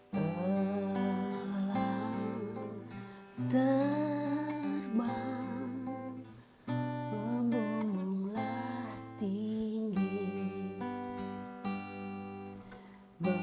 jadi kita harus mencari tahu bagaimana mereka mendapatkan title seperti itu